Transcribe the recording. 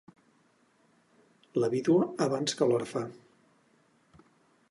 La vídua abans que l'orfe.